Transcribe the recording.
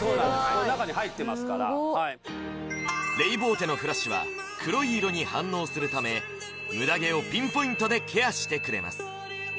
この中に入ってますからレイボーテのフラッシュは黒い色に反応するためムダ毛をピンポイントでケアしてくれます